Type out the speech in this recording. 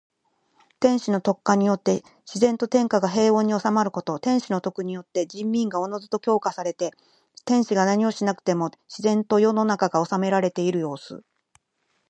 天子の徳化によって自然と天下が平穏に収まること。天子の徳によって人民がおのずと教化されて、天子が何をしなくても自然と世の中が治められているようす。